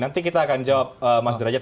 nanti kita akan jawab mas derajat